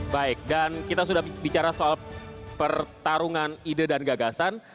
baik dan kita sudah bicara soal pertarungan ide dan gagasan